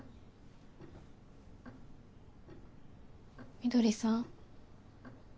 翠さん？